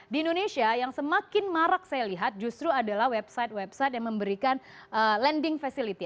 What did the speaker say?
di indonesia yang semakin marak saya lihat justru adalah website website yang memberikan lending facility